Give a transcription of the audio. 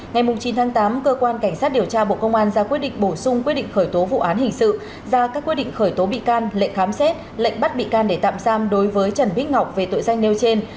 ngày chín tháng tám cơ quan cảnh sát điều tra bộ công an ra quyết định bổ sung quyết định khởi tố vụ án hình sự ra các quyết định khởi tố bị can lệnh khám xét lệnh bắt bị can để tạm giam đối với trần bích ngọc về tội danh nêu trên